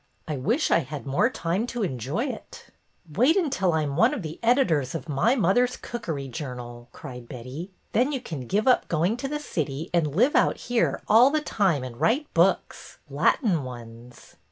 '' I wish I had more time to enjoy it" Wait until I am one of the editors of My Mother's Cookery Journal/' cried Betty. Then you can give up going to the city and live out here all the time and write books, — Latin ones.